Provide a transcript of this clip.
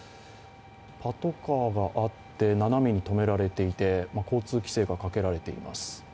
パトカーがあって、斜めに止められていて交通規制がかけられています。